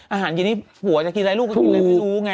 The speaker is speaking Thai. อาหารชีวิตนี้ผัวจะกินอะไรลูกไม่รู้ไง